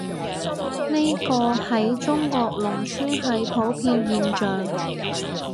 呢個，喺中國農村係普遍現象